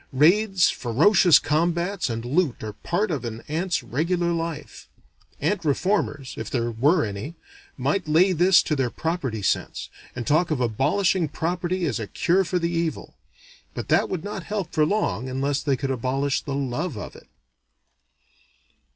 Raids, ferocious combats, and loot are part of an ant's regular life. Ant reformers, if there were any, might lay this to their property sense, and talk of abolishing property as a cure for the evil. But that would not help for long unless they could abolish the love of it.